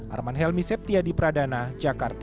arman helmi septia di pradana jakarta